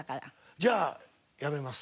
じゃあやめます。